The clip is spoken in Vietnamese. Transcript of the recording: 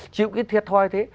chịu cái thiệt thòi thế